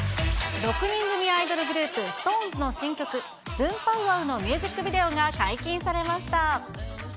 ６人組アイドルグループ、ＳｉｘＴＯＮＥＳの新曲、ブンパウワウ！のミュージックビデオが解禁されました。